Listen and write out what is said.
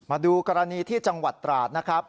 มาดูกรณีที่จังหวัดตราดนะครับ